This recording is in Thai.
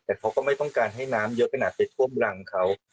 แต่เขาก็ไม่ต้องการให้น้ำเยอะขนาดไปท่วมรังเขา